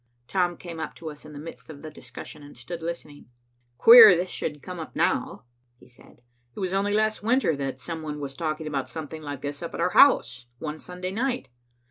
Tom came up to us in the midst of the discussion, and stood listening. "Queer this should come up now," he said. "It was only last winter that some one was talking about something like this up at our house, one Sunday night.